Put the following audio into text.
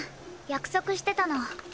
約束してたの。